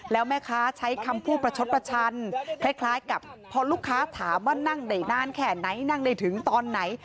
แล้วแม่ค้าใช้คำพูดประชดประชันคล้ายกับพอลูกค้าถามว่านั่งได้นานแค่ไหนนั่งได้ถึงตอนไหน